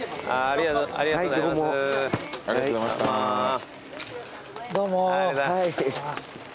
ありがとうございます。